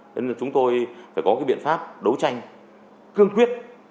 thế nên là chúng tôi phải có cái biện pháp đấu tranh cương quyết